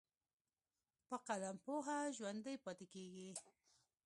په قلم پوهه ژوندی پاتې کېږي.